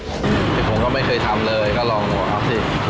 เธอผมก็ไม่เคยทำเลยก็ลองหนูครับสิ